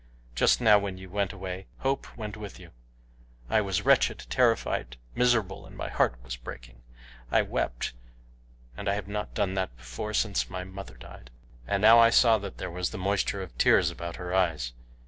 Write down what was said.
Just now when you went away hope went with you. I was wretched, terrified, miserable, and my heart was breaking. I wept, and I have not done that before since my mother died," and now I saw that there was the moisture of tears about her eyes.